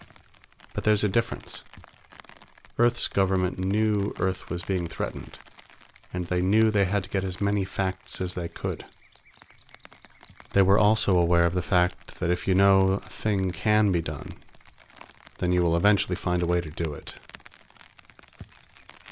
But there's a difference. Earth's government knew Earth was being threatened, and they knew they had to get as many facts as they could. They were also aware of the fact that if you know a thing can be done, then you will eventually find a way to do it.